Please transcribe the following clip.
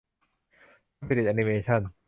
สปิริตแอนิเมชั่น